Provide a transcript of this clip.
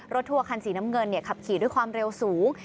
ทัวร์คันสีน้ำเงินขับขี่ด้วยความเร็วสูง